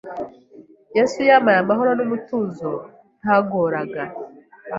Yesu yampaye amahoro n’umutuzo ntagoraga,